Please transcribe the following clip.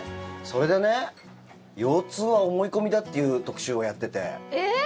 それでね腰痛は思い込みだっていう特集をやってて。